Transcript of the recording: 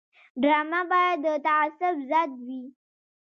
ډرامه باید د تعصب ضد وي